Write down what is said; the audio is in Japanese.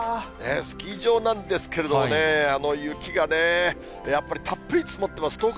スキー場なんですけれどもね、雪がね、やっぱりたっぷり積もってます。